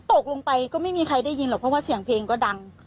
ตกลงไปก็ไม่มีใครได้ยินหรอกเพราะว่าเสียงเพลงก็ดัง